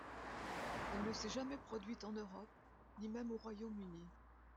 Elle ne s'est jamais produite en Europe ni même au Royaume Uni.